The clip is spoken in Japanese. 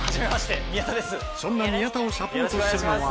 そんな宮田をサポートするのは。